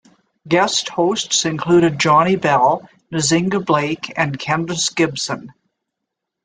Guest hosts included Johnny Bell, Nzinga Blake, and Kendis Gibson.